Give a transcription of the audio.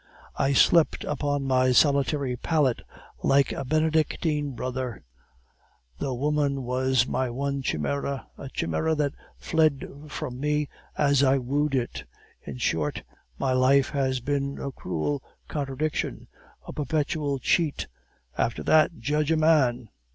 I slept upon my solitary pallet like a Benedictine brother, though woman was my one chimera, a chimera that fled from me as I wooed it! In short, my life has been a cruel contradiction, a perpetual cheat. After that, judge a man!